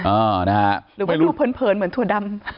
อ่านะฮะหรือมันดูเพลินเหมือนถั่วดำ